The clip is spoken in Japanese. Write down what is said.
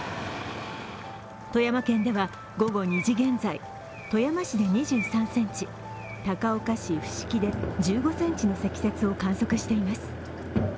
富山県では午後２時現在、富山市で２３ｃｍ高岡市伏木で１５ｃｍの積雪を観測しています。